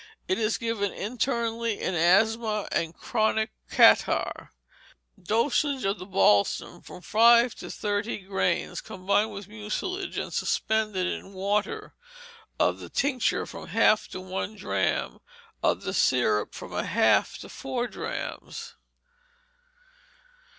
It is given internally in asthma and chronic catarrh. Dose, of the balsam, from five to thirty grains, combined with mucilage and suspended in water; of the tincture, from a half to one drachm; of the syrup, from a half to four drachms.